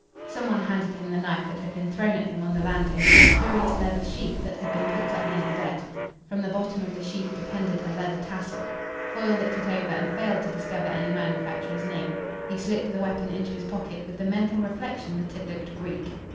Some one handed him the knife that had been thrown at him on the landing and a curious leather sheath that had been picked up near the bed. From the bottom of the sheath depended a leather tassel. Foyle looked it over and failed to discover any manufacturer's name. He slipped the weapon into his pocket with the mental reflection that it looked Greek.